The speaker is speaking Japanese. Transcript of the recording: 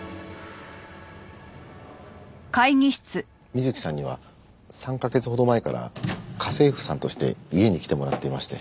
美月さんには３カ月ほど前から家政婦さんとして家に来てもらっていまして。